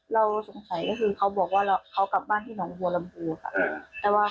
เราก็เลยสงสัยว่า